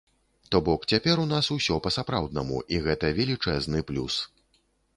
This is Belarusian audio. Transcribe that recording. То бок цяпер у нас усё па-сапраўднаму і гэта велічэзны плюс.